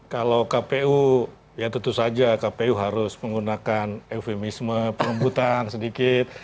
kalau kpu ya tentu saja kpu harus menggunakan eufemisme perebutan sedikit